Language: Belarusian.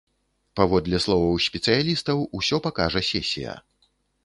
Паводле словаў спецыялістаў, усё пакажа сесія.